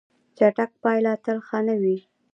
چټک پایله تل ښه نه وي.